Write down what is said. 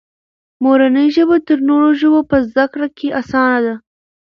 مورنۍ ژبه تر نورو ژبو په زده کړه کې اسانه ده.